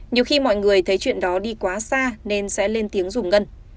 nhiều khi mọi người thấy chuyện đó đi quá xa nên sẽ lên tiếng dùng ngân